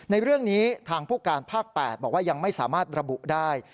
ในเรื่องนี้ทางผู้การภาค๘บอกว่ายังไม่สามารถระบุได้